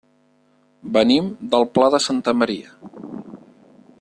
Venim del Pla de Santa Maria.